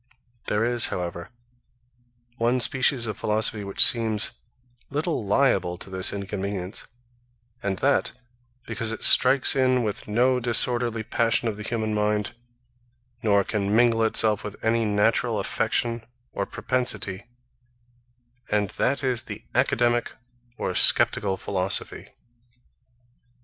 There is, however, one species of philosophy which seems little liable to this inconvenience, and that because it strikes in with no disorderly passion of the human mind, nor can mingle itself with any natural affection or propensity; and that is the Academic or Sceptical philosophy.